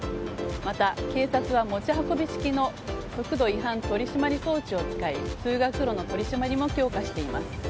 また警察は持ち運び式の速度違反取締装置を使い通学路の取り締まりも強化しています。